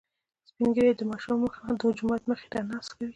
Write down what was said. سپين ږيري د جومات مخې ته ناسته کوي.